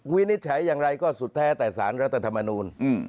วินิจฉัยอย่างไรก็สุดแท้แต่สารรัฐธรรมนูล